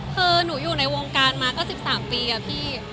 คือหนูอยู่ในวงการมาก็๑๓ปีอะพี่